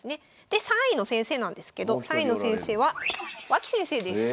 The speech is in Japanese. で３位の先生なんですけど３位の先生は脇先生です。